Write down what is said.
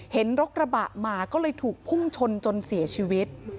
เห็นรถกระบะมาก็เลยถูกพุ่งชนจนเสียชีวิต